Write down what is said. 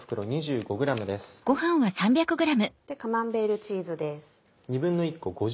カマンベールチーズです。